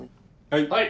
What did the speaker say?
はい。